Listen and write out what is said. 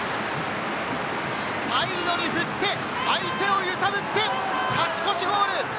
サイドに振って、相手を揺さぶって勝ち越しゴール！